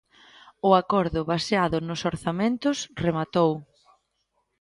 O acordo baseado nos orzamentos rematou.